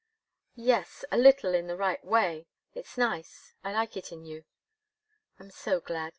"Yes a little, in the right way. It's nice. I like it in you." "I'm so glad.